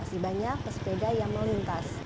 masih banyak pesepeda yang melintas